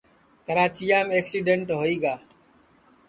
کراچیام اکسیڈن ہوئی گا